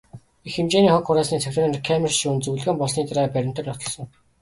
Их хэмжээний хог хураасныг цагдаа нар камер шүүн, зөвлөгөөн болсны дараа баримтаар нотолсон.